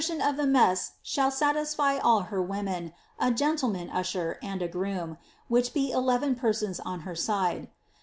r of the mess sliall satisfy all her women, a gentleman usher, and a groom, •vhi.^n be eleven persons on her side.